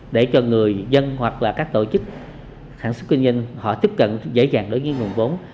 để cho người dân hoặc là các tổ chức sản xuất kinh doanh họ tiếp cận dễ dàng đối với nguồn vốn